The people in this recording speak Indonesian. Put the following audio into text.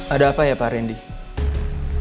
ada apa ya pak randy